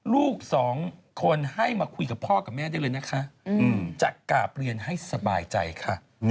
ลูกสองคนให้มาคุยกับพ่อกับแม่ได้เลยนะคะจะกราบเรียนให้สบายใจค่ะ